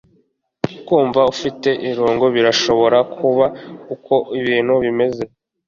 Kumva ufite irungu birashobora kuba uko ibintu bimeze